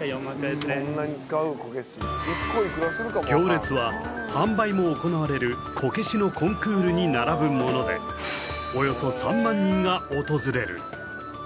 行列は販売も行われるこけしのコンクールに並ぶものでおよそ３万人が訪れる